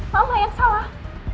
mama yang salah